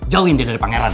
jauhin dia dari pangeran